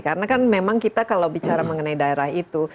karena kan memang kita kalau bicara mengenai daerah itu